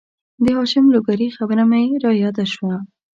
د هاشم لوګرې خبره مې را یاده شوه